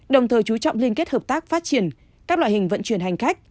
đồng thời chú trọng liên kết hợp tác phát triển các loại hình vận chuyển hành khách